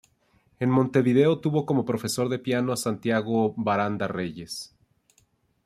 En Montevideo tuvo como profesor de piano a Santiago Baranda Reyes.